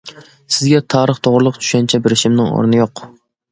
سىزگە تارىخ توغرۇلۇق چۈشەنچە بېرىشىمنىڭ ئورنى يوق.